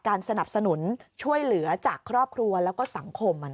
สนับสนุนช่วยเหลือจากครอบครัวแล้วก็สังคม